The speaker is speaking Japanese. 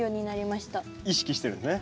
意識してるね。